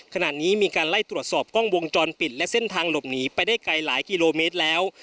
ขณะนี้มีการไล่ตรวจสอบกล้องวงจรปิดและเส้นทางหลบหนีไปได้ไกลหลายกิโลเมตรแล้ว